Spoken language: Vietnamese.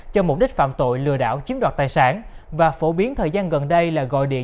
cho mục đích phạm tội lừa đảo chiếm đoạt tài sản và phổ biến thời gian gần đây là gọi điện